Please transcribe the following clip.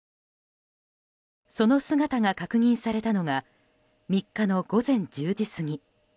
その姿が確認されたのが３日の午前１０時過ぎ。